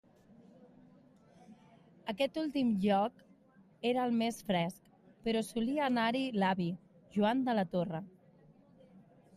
Aquest últim lloc era el més fresc, però solia anar-hi l'avi Joan de la Torre.